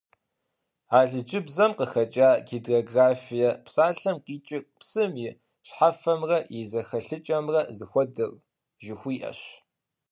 Алыджыбзэм къыхэкIа «гидрографие» псалъэм къикIыр «псым и щхьэфэмрэ и зэхэлъыкIэмрэ зыхуэдэр» жыхуиIэщ.